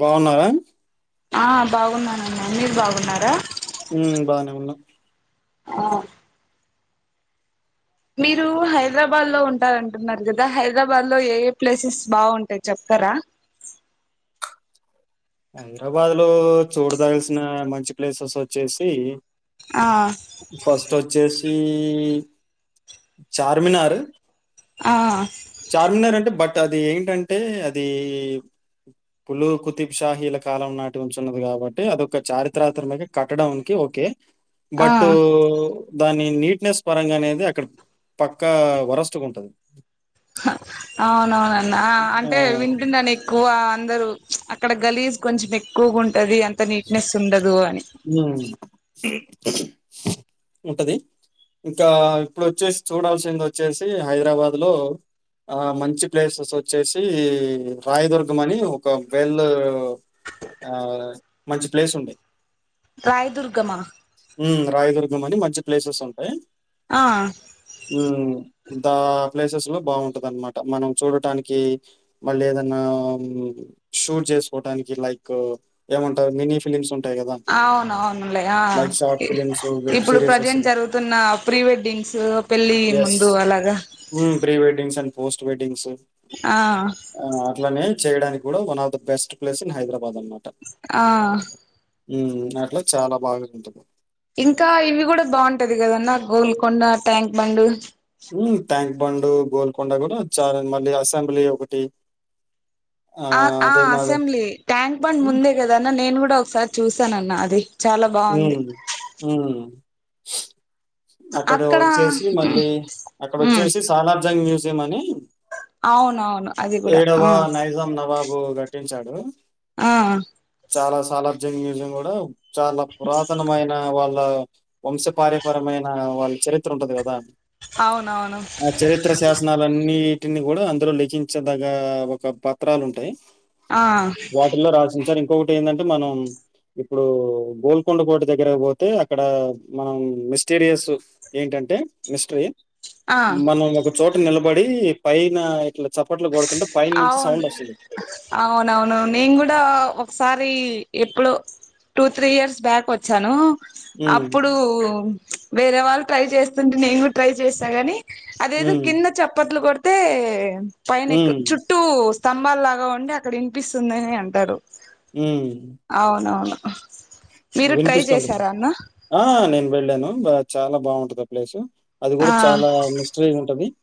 బావున్నారా ఆ బాగున్నానన్న మీరు బాగున్నారా ఉమ్ బానే ఉన్నా ఆ మీరు హైదరాబాద్లో ఉంటారంటున్నారు కదా హైదరాబాద్లో ఏ ఏ ప్లేసెస్ బావుంటాయి చెప్తారా హైదరాబాద్లో చూడదాల్సిన మంచి ప్లేసెస్ వచ్చేసి ఆ ఫస్ట్ వచ్చేసి చార్మినార్ ఆ చార్మినార్ అంటే బట్ అది ఏంటంటే అది పులు కుతిబ్షాహీల కాలం నాటి ఉంచున్నది కాబట్టి అదొ ఒక చారిత్రాత్రమిగ కట్టడానికి ఒకే ఆ బటూ దాని నీట్నెస్ పరంగా అనేది అక్కడ పక్కా వరస్టుగుంటది అవునవునన్న ఆ అంటే వింటున్నాను ఎక్కువ అందరు అక్కడ గలీజ్ కొంచెం ఎక్కువగా ఉంటది అంత నీట్నెస్ ఉండదు అని మ్ ఉంటది ఇంకా ఇప్పుడు వచ్చేసి చూడాల్సింది వచ్చేసి హైదరాబాద్లో ఆ మంచి ప్లేసెస్ వచ్చేసి రాయదుర్గం అని ఒక వేళ్ళా ఆ మంచి ప్లేస్ ఉండే రాయదుర్గమా మ్ రాయదుర్గం అని మంచి ప్లేసెస్ ఉంటాయి ఆ దా ప్లేసెస్ లో బాగుంటది అన్నమాట మనం చూడటానికి మళ్ళీ ఏదన్నా షూట్ చేసుకోటానికి లైక్ ఏమంటారు మినీ ఫిలిమ్స్ ఉంటాయి కదా అవును అవును అవునులే ఆ వెబ్ ఇప్పుడు సీరీసెస్. ప్రజెంట్ జరుగుతున్న ప్రీ వెడ్డింగ్స్ పెళ్ళి యెస్. ముందు అలాగా pre weddings and post weddings ఆ ఆ అట్లానే చేయడానికి కూడా one of the best place in Hyderabad అనమాట ఆ హమ్ అట్లా చాలా బాగా ఉంటుంది ఇంకా ఇవి కూడా బాగుంటది కదన్న Golconda tank bund tank bund Golconda కూడా చాలా మళ్ళీ అసెంబ్లీ ఒకటి ఆ ఆహ్, ఆ అదే మాది అసెంబ్లీ ట్యాంక్ బండ్ హ్మ్. ముందే కదాన్న నేను కూడా ఒకసారి చూసాను అన్న అది చాలా ఉ బాగుంది ఉమ్ అక్కడ వచ్చేసి మళ్ళీ అక్కడ ఉమ్ వచ్చేసి సాలార్జంగ్ మ్యూజియం అని అవునవును అది కూడా ఏడవ ఆ నైజాం నవాబు కాటించాడు ఆ చాలా సాలార్జంగ్ మ్యూజియం కూడా చాలా పురాతనమైన వాళ్ళ వంశపార్యపరమైన వాళ్ళ చరిత్ర ఉంటది కదా అవునవును ఆ చరిత్ర శాసనాలు ఇవిన్నిటిని కూడా అందరు లెఖించదగ ఒక పత్రాలు ఉంటాయి ఆ రాస ఇంకొకటి ఏంటంటే మనం ఇప్పుడు గోల్ కొండకోట దగ్గర పోతే అక్కడ మనం మిస్టీరియస్ ఏంటంటే మిస్టరీ ఆ మనం ఒక చోట నిలబడి పైన ఇట్లా చప్పట్లు కొడుతుంటే పైన నుంచి అవును సౌండ్ వస్తుంది అవునవును నేను కూడా ఒకసారి ఎప్పుడు టూ త్రీ ఇయర్స్ బ్యాక్ వచ్చాను ఉమ్, అప్పుడు వేరే వాళ్ళు ట్రై చేస్తుంటే నేను కూడా ట్రై చేసా గానీ అదేదో ఉమ్, కింద చప్పట్లు కొడితే పైన ఎక్కు ఉమ్, చుట్ట చుట్టూ స్తంభాలలాగా ఉండి అక్కడ వినిపిస్తుందిని అంటారు ఉమ్ అవునవును మీరు ట్రై వినిపిస్తుంటది చేశారా అన్న ఆ నేను వెళ్ళాను బా చాలా బాగుంటది ఆ ప్లేసు అది ఆ కూడా చాలా మిస్టరీ ఉంటది [inaudible]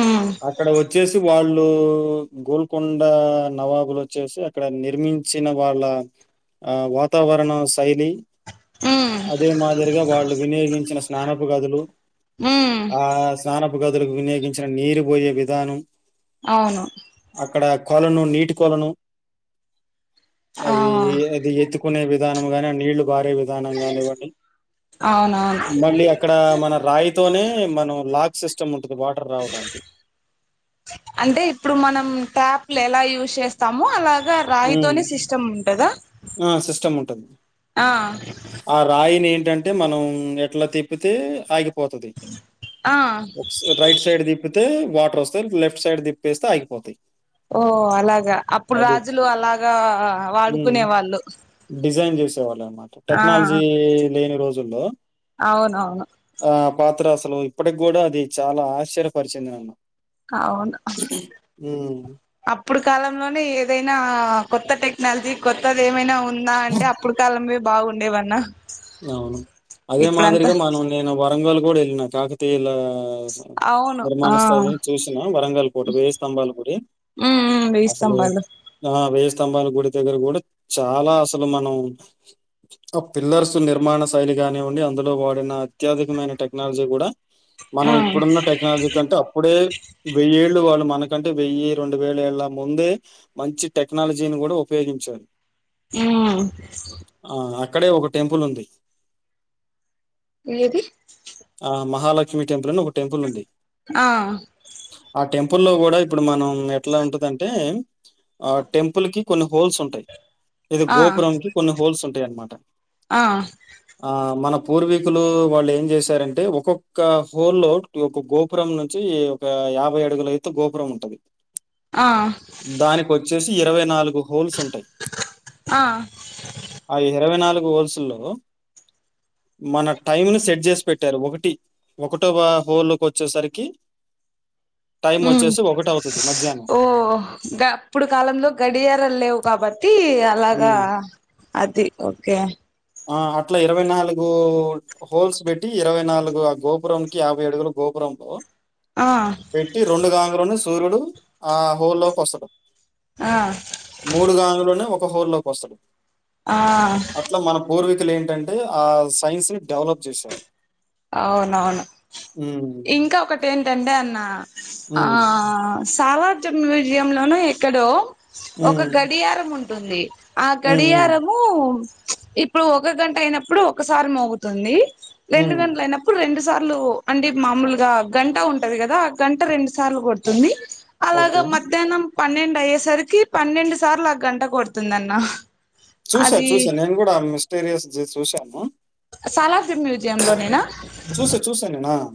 ఉమ్ అక్కడ వచ్చేసి వాళ్ళు గోల్కొండ నవాబులు వచ్చేసి ఇక్కడ నిర్మించిన వాళ్ళ ఆ వాతావరణ ణ శైలి ఉమ్ అదే మాదిరిగా వాళ్ళు వినియోగించిన స్నానపు గదులు ఉమ్ ఆ స్నానపు గదులకు వినియోగించిన నీరు పోయే విధానం అవును అక్కడ కొలను నీటి కొలను ఆ అది అది ఎత్తు కునే విధానం గాని నీళ్లు బారే విధానం కానివ్వండి అవునవును మళ్ళీ అక్కడ మన రాయితోనే మనం లాక్ సిస్టమ్ ఉంటంది వాటర్ రావడానికి అంటే ఇప్పుడు మనం ట్యాప్లు ఎలా యూజ్ చేస్తామమో అలాగా ఉమ్. రాయితోనే సిస్టమ్ ఉంటదా ఆ సిస్టమ్ ఉంటుంది ఆ ఆ రాయిని ఏంటంటే మనం ఎట్లా తిప్పితే ఆగిపోతాది. ఆ రైట్ సైడ్ దిప్పితే వాటర్ వస్తాయి. లెఫ్ట్ సైడ్ దిప్పేస్తే ఆగిపోతాయి. ఓ అలాగా అప్పుడు అది. రాజులు అలాగా హ్మ్. వాడుకునే వాళ్ళు. డిజైన్ చేసేవాళ్ళ అన్నమాట ఆ టెక్నాలజీ లేని రోజుల్లో అవునవును ఆ పాత్ర అసలు ఇప్పటికి కూడా అది చాలా ఆశ్చర్యపరిచింది నన్ను. అవును హ్మ్. అప్పుడు కాలంలోనే ఏదైనా కొత్త టెక్నాలజీ కొత్తది ఏమైనా ఉందా అంటే అప్పుడు కాలమే బాగుండేవన్నా. అవును అదే ఇప్పుడంతా మాదిరిగా మనం నేను వరంగల్ కూడా వెళ్ళినా కాకతీయుల అవును ఆ నిర్మాణ స్థాయిని చూసినా, వరంగల్ కోట వెయ్యి స్తంభాలు గుడి. మ్ ఊ అసలు వేయిస్తంబాలు. ఆ వెయ్యి స్తంభాల గుడి దగ్గర కూడా చాలా అసలు మనం ఆ పిల్లర్స్ నిర్మాణ శైలిగానీ యండి అందులో వాడిన అత్యాధునికమైన టెక్నాలజీ కూడా మనం ఆ ఇప్పుడున్న టెక్నాలజీ కంటే అప్పుడే వెయ్యేళ్ళు వాళ్ళు మనకంటే వెయ్యి రెండు వేల ఏళ్ళ ముందే మంచి టెక్నాలజీని కూడా ఉపయోగించారు. ఆ ఆ అక్కడే ఒక టెంపుల్ ఉంది. ఏది ఆ మహాలలక్ష్మి టెంల్ అని ఒక టెంపుల్ ఉంది. ఆ ఆ టెంపుల్ లో కూడా ఇప్పుడు మనం ఎట్లా ఉంటదంటే ఆ టెంపుల్ కి కొన్ని హోల్స్ ఉంటాయి. ఇది ఆ గోపురం కి కొన్ని హోల్స్ ఉంటాయి అన్నమాట ఆ ఆ మన పూర్వీకులు వాళ్ళు ఏం చేశారంటే ఒక్కొక్క హోల్ లో ఒక గోపురం నుంచి, ఒక యాభై అడుగుల ఎత్తు గోపురం ఉంటాది. ఆ దానికొచ్చేసి ఇరవై నాలుగు హోల్స్ ఉంటాయి. ఆ ఆ ఇరవై నాలుగు ఓల్సులో మన టైమ్ ను సెట్ చేసి పెట్టినారు ఒకటి. ఒకటవ హోల్కి వచ్చేసరికి మ్ ఒకటవుతది స్ మధ్యాహ్నం. ఓ అప్పుడు కాలంలో గడియారలు లేవు కాబట్టి అలాగా హ్మ్. అది ఓకే ఆ అట్లా ఇరవై నాలుగు హోల్స్ పెట్టి ఇరవై నాలుగు ఆ గోపురం కి యాబై అడుగుల గోపురంలో ఆ పెట్టి రెండు గాంగ లోనే సూర్యుడు ఆ హోల్లోకి వస్తాడు. ఆ మూడు గాంగలోనే ఒక హోల్ లోకి వస్తాడు. ఆ అట్లా మన పూర్వకులు ఏంటంటే ఆ సైన్స్ ని డెవలప్ చేశారు. అవునవును హ్మ్. ఇంకా ఒకటి ఏంటంటే అన్న ఆ హ్మ్. సాలార్జ మ్యూజియం లోన ఎక్కడో ఒక హ్మ్. గడియారం ఉంటుంది ఆ హ్మ్. హ్మ్. గడియారము ఇప్పుడు ఒక గంట అయినప్పుడు ఒకసారి మోగుతుంది రెండు హ్మ్. గంటే అయినప్పుడు రెండు సార్లు అంటే మామూలుగా గంట ఉంటది కదా ఆ గంట రెండు సార్లు కొడుతుంది అలాగా ఓకే. మధ్యాహ్నం పన్నెండు అయ్యేసరికి పన్నెండు సార్లు ఆ గంట కొడుతుంది అన్న చూసా చూసా నేను కూడా ఆ మిస్టీరియస్ చూశాను సాలాజమ మ్యూజియ లోనేనా చూసా చూసా నేను అహ్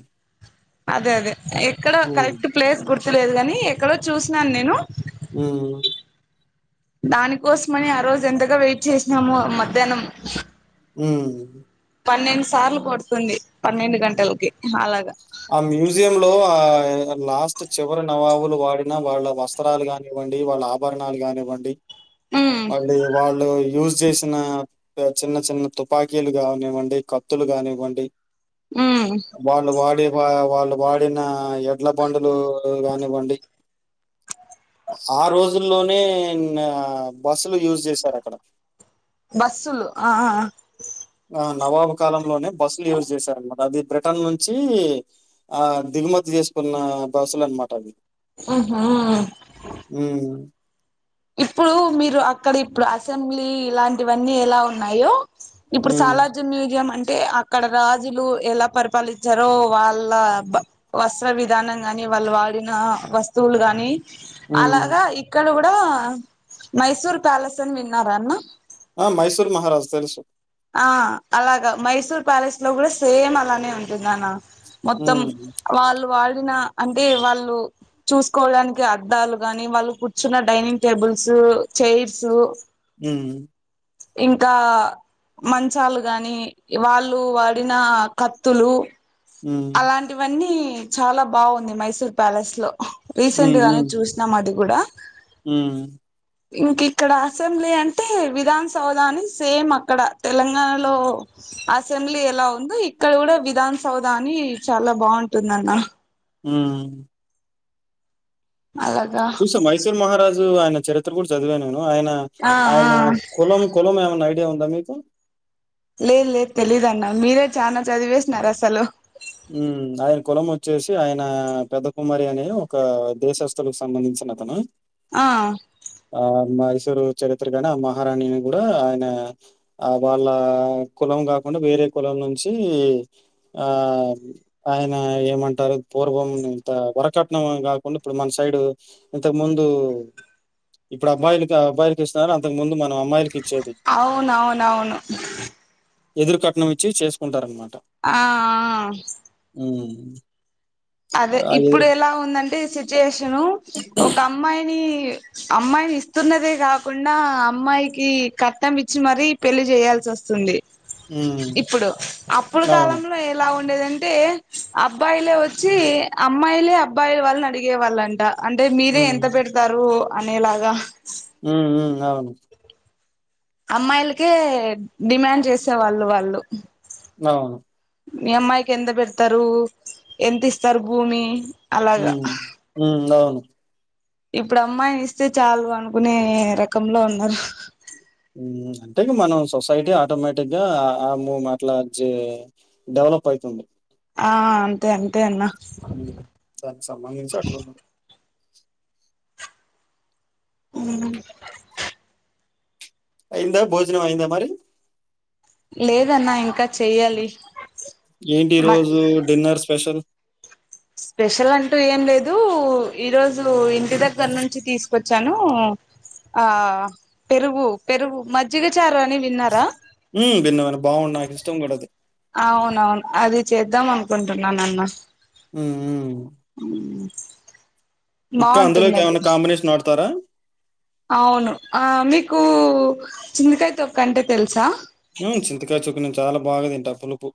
అదే అదే ఎక్కడో హ్మ్. కరెక్ట్ ప్లేస్ గుర్తులేదు గాని ఎక్కడో చూసినాను నేను ఊ దానికోసమని ఆ రోజు ఎంతగా వెయిట్ చేసినామో మధ్యాహ్నం ఉమ్ పన్నెండు సార్లు కొడుతుంది పన్నెండు గంటలకి అలాగా ఆ మ్యూజియం లో ఆ లాస్ట్ చివరి నవాబులు వాడిన వాళ్ళ వస్త కానివ్వండి వాళ్ళ ఆభరణాలు కానివ్వండి ఉమ్ మళ్ళీ వాళ్ళు యూస్ చేసిన చిన్న చిన్న తుపాకీలు కానివ్వండి కత్తులు కానివ్వండి ఉమ్ వాళ్ళు వాడి వా వాళ్ళు వాడిన ఎడ్ల బందులు గానివండి ఆ రోజుల్లోనే నా బస్సులు యూజ్ చేసారు అక్కడ బస్సులు ఆ ఆ ఆ ఆ నవాబు కాలంలోనే బస్సులు యూజ్ చేశారనమాట అది పట్టం నుంచి ఆ దిగుమతి చేసుకున్న బస్సులు అనిమాట అవి ఉహూ ఉమ్ ఇప్పుడు మీరు అక్కడ ఇప్పుడు అసెంబ్లీ ఇలాంటివన్నీ ఎలా ఉన్నాయో ఇప్పుడు హ్మ్. సలార్జామ్ మ్యూజియం అంటే ఆ అక్కడ రాజులు ఎలా పరిపాలించారో వాళ్ళ వస్త్ర విధానం గాని వాళ్ళు వాడిన వస్తువులు గాని హ్మ్. అలాగా ఇక్కడ కూడా మైసూర్ ప్యాలెస్ అని విన్న అన్న ఆ మైసూర్ మహారాజ్ తెలుసు ఆ అలాగా మైసూర్ ప్యాలెస్ లో కూడా సేమ్ అలానే ఉంటుంది అన్న మొత్తం హ్మ్. వాళ్ళు వాడిన అంటే వాళ్ళు చూసుకోవడానికి అద్దాలు గాని వాళ్ళు కూర్చున్న డైనింగ్ టేబుల్స్ చైర్స్ ఉమ్ ఇంకా మంచాలు గాని వాళ్ళు వాడిన కత్తులు హ్మ్. అలాంటివన్నీ చాలా బాగుంది మైసూర్ ప్యాలెస్ లో రీసెంట్ గానే చూసి నమాటికూడ ఊ ఇంక ఇక్కడ అసెంబ్లీ అంటే విధాన సౌధా అని సేమ్ అక్కడ తెలంగాణలో అసెంబ్లీ ఎలా ఉందో ఇక్కడ కూడా విధాన సౌదా అని చాలా బాగుంటది అన్న ఉమ్ అలాగా చూసా మైసూర్ మహారాజు ఆయన చరిత్ర కూడా చదివా నేను ఆయన ఆ ఆ ఆయన కులం కులం ఏమన్నా ఐడియా ఉందా మీకు లేదు లేదు తెలీదన్న మీరే చానా చదివేసినారు అసలు ఉమ్ ఆయన కులం వచ్చేసి ఆయన పెద్ద కుమారి అనే ఒక దేశస్ అతనికి సంబంధించిన అతనా ఆ ఆ మైసూరు చరిత్రగానే ఆ మహారాణిని కూడా ఆయన ఆ వాళ్ళ కులం కాకుండా వేరే కులం నుంచి ఆ ఆయన ఏమంటారు పూర్వం ఇంత వరకట్నం కాకుండా ఇప్పుడు మన సైడ్ ఇంతకు ముందు ఇప్పుడు అబ్బాయిలుకి అబ్బాయి స్తున్నారు అంతకు ముందు మనం అమ్మాయిలకి ఇచ్చేది అవునవునవును ఎదురు కట్నం ఇచ్చి చేసుకుంటారనమాట ఆ ఆ ఉమ్ అదే ఇప్పుడు ఎలా ఉందంటే సిచ్యుయేషను ఒక అమ్మాయిని అమ్మాయిని ఇస్తున్నదే కాకుండా అమ్మాయికి కట్నం ఇచ్చి మరీ పెళ్లి చేయాల్సి వస్తుంది హ్మ్. ఇప్పుడు అప్పుల అవును. కాలంలో ఎలా ఉండేదంటే అబ్బాయిలే వ చ్చి అమ్మాయిలే అబ్బాయి వాళ్ళని అడిగే వాళ్ళంట అంటే మీరే హ్మ్. ఎంత పెడ్ తారు అనేలాగా ఉ ఉ అవును అమ్మాయిలకే డిమాండ్ చేసేవాళ్ళు వాళ్ళు అవును మీ అమ్మాయికి ఎంత పెడతారు ఎంత ఇస్తారు భూమి ఉ అలాగా ఉ అవును ఇప్పుడు అమ్మాయిని ఇస్తే చాలు అనుకునే రకంలో ఉన్నారు ఉ అంటే మనం సొసైటీ ఆటోమేటిక్ గా ఆ ము మాట్లాడిచ్చే డెవలప్ అయితుంది ఆ అంతే అంతే అన్న ఉహు దానికి సంబంధించి అట్లుంది ఊ అయిందా భోజనం అయిందా మరి లేదన్నా ఇంకా చెయ్యాలి ఏంటి మ ఈరోజు డిన్నర్ స్పెషల్ స్పెషల్ అంటూ ఏం లేదు ఈరోజు ఇంటి దగ్గర నుంచి తీస్ వచ్చాను ఆ పెరుగు పెరుగు మజ్జిగచారు అని విన్నారా ఉ విన్నా గాని బాగున్నాయి నాకు ఇష్టం కూడా అది అవునవును అది చేద్దాం అనుకుంటున్నాను అన్న ఉ ఉ ఉహు ఊ ఇంకా అందులోకి ఏమైనా కాంబినేషన్ వాడుతారా అవును ఆ మీకు చింతకాయ తొక్కు అంటే తెలుసా ఉ చింతకాయ చుక్ నేను చాలా బాగా తింటా పులుపు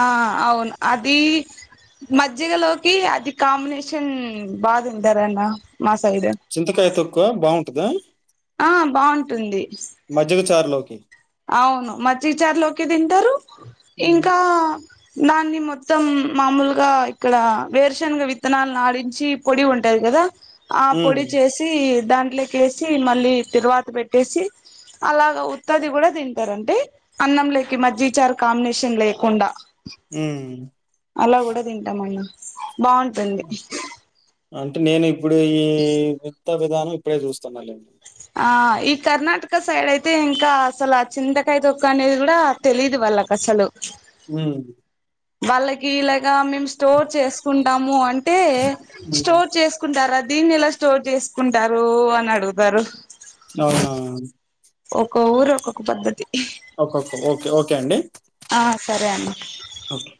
ఆ అవును అది మజ్జిగలోకి అది కాంబినేషన్ బా తింటారన్న మా సైడ్ చింతకాయ తొక్కు బాగుంటుదా ఆ బాగుంటుంది మజ్జిగ చారూ లోకి అవును మజీగాచార్లోకి తింటారు హ్మ్. ఇంకా దాన్ని మొత్తం మామూలుగా ఇక్కడ వేరుశనగ విత్తనాలను ఆడించి పొడి ఉంటది కదా ఆ హ్మ్. పొడి చేసి దాంట్లో కి వేసి మళ్ళీ తరువాత పెట్టేసి అలాగా ఉత్తది కూడా తింటారంటే అన్నం లేకి మజ్జిచార్ కాంబినేషన్ లేకుండా ఉమ్ అలా కూడా తింటామండి బాగుంటుంది హ్మ్. అంటే నేను ఇప్పుడు ఈ విత్త విధానం ఇప్పుడే చూస్తున్నాలేండి ఆ ఈ కర్ణాటక సైడ్ అయితే ఇంకా అసలు ఆ చింతకాయ తొక్క అనేది కూడా తెలీదు వాళ్ళకు అసలు ఉమ్ వాళ్ళకి ఇలాగా మేము స్టోర్ చేసుకుంటాము అంటే హ్మ్. స్టోర్ చేసు చకుంటారా దీన్ని ఎలా స్టోర్ చేసుకుంటారు అని అడుగుతారు అవునా ఒక్కో ఊరు ఒక్కొక్క పద్ధతి ఒక్కక్క ఓకే ఓకే అండి ఆ సరే అండి ఓకే